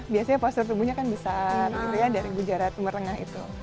biasanya postur tubuhnya kan besar gitu ya dari gujarat umur tengah itu